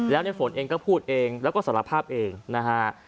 แล้วในฝนเองก็พูดเองแล้วก็สารภาพเองนะฮะ